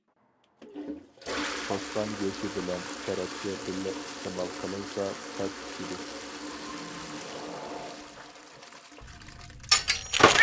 توشقان گۆشى بىلەن كەرەپشە بىللە ئىستېمال قىلىنسا، چاچ چۈشىدۇ.